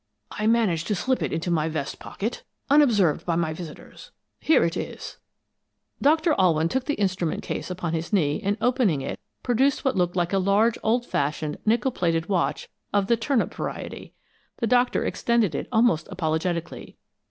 I managed to slip it into my vest pocket, unobserved by my visitors. Here it is." Dr. Alwyn took the instrument case upon his knee and opening it, produced what looked like a large old fashioned nickel plated watch of the turnip variety. The doctor extended it almost apologetically.